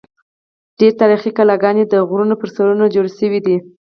ډېری تاریخي کلاګانې د غرونو پر سرونو جوړې شوې دي.